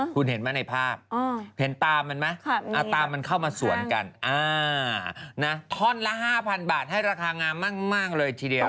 คุณเห็นไหมในภาพเห็นตามันไหมตามมันเข้ามาสวนกันท่อนละ๕๐๐บาทให้ราคางามมากเลยทีเดียว